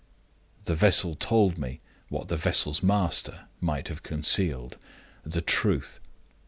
"The vessel told me what the vessel's master might have concealed the truth.